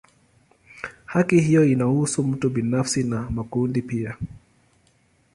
Haki hiyo inahusu mtu binafsi na makundi pia.